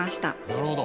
なるほど。